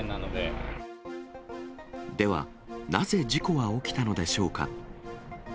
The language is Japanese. では、なぜ事故は起きたのでしょうか。